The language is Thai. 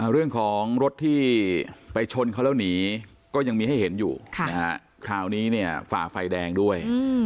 เรื่องของรถที่ไปชนเขาแล้วหนีก็ยังมีให้เห็นอยู่คราวนี้เนี่ยฝ่าไฟแดงด้วย